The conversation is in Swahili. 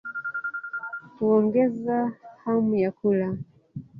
Huongeza hamu ya kula.